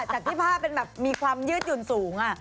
จากที่ผ้าเป็นแบบมีความยืดหยุ่นสูง